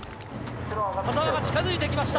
田澤が近づいてきました。